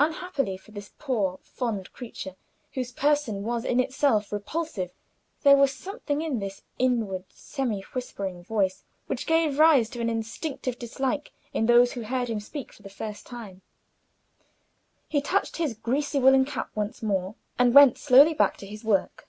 Unhappily for this poor "fond" creature, whose person was in itself repulsive, there was something in this inward, semi whispering voice which gave rise to an instinctive dislike in those who heard him speak for the first time. He touched his greasy woollen cap once more, and went slowly back to his work.